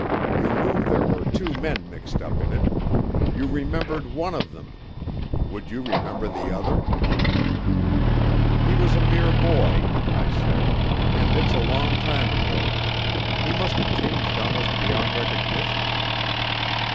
You knew there were two men mixed up in it. You remembered one of them; would you remember the other?" "He was a mere boy," I said, "and it's a long time ago. He must have changed almost beyond recognition."